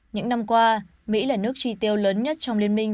những năm qua mỹ là nước tri tiêu lớn nhất trong liên minh